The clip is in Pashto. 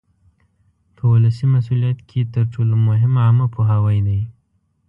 په ولسي مسؤلیت کې تر ټولو مهم عامه پوهاوی دی.